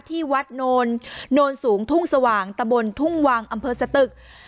ที่วัดโนนสูงทุ่งสว่างตะบนทุ่งวังอำเภอสตึก